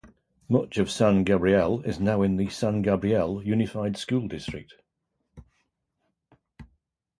Much of San Gabriel is now in the San Gabriel Unified School District.